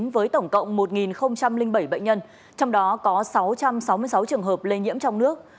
với tổng cộng một bảy bệnh nhân trong đó có sáu trăm sáu mươi sáu trường hợp lây nhiễm trong nước